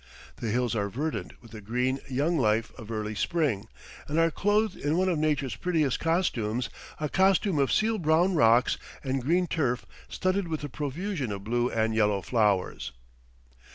The hills are verdant with the green young life of early spring, and are clothed in one of nature's prettiest costumes a costume of seal brown rocks and green turf studded with a profusion of blue and yellow flowers.